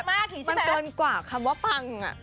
ปังมากนี่ใช่มั้ยคือแบบมันเกินกว่าคำว่าปังอะ